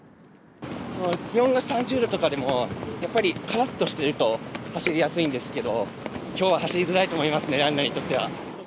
気温が３０度とかでも、やっぱりからっとしてると、走りやすいんですけど、きょうは走りづらいと思いますね、ランナーにとっては。